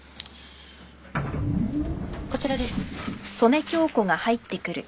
・こちらです。